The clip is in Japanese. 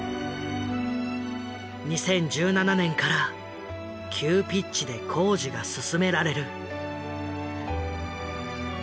２０１７年から急ピッチで工事が進められる。